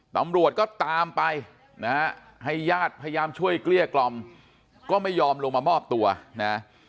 ตำรวจก็ตามไปนะฮะให้ญาติพยายามช่วยเกลี้ยกล่อมก็ไม่ยอมลงมามอบตัวนะ